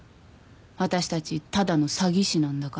私たちただの詐欺師なんだから。